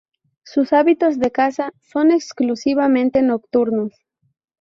Sus hábitos de caza son exclusivamente nocturnos.